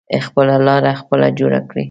خپله لاره خپله جوړه کړی.